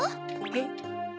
えっ？